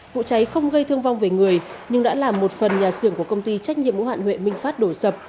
vụ cháy không gây thương vong về người nhưng đã làm một phần nhà xưởng của công ty trách nhiệm ưu hạn huệ minh phát đổ sập